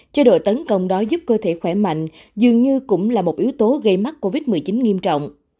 chế độ tấn công đó giúp cơ thể khỏe mạnh dường như cũng là một yếu tố gây mắc covid một mươi chín nghiêm trọng